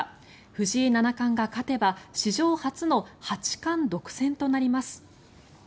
藤井七冠が勝てば史上初の八冠独占となります。